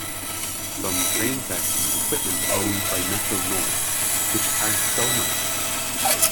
Some train sets use equipment owned by Metro-North, which are so marked.